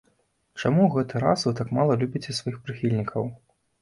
Чаму ў гэты раз вы так мала любіце сваіх прыхільнікаў?